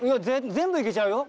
全部いけちゃうよ。